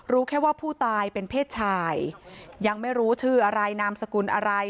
รู้แค่ว่าผู้ตายเป็นเพศชายยังไม่รู้ชื่ออะไรนามสกุลอะไร